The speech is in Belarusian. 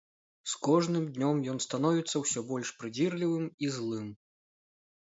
З кожным днём ён становіцца ўсё больш прыдзірлівым і злым.